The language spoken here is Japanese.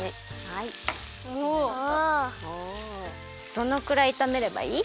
どのくらいいためればいい？